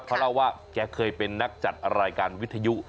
เขาเล่าว่าแกเคยเป็นนักจัดรายการวิทยุ